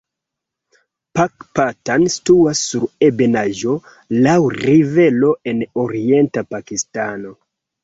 Pakpatan situas sur ebenaĵo laŭ rivero en orienta Pakistano.